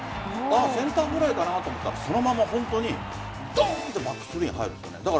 センターフライかなと思ったらそのまま、本当にバックスクリーンに入るんです。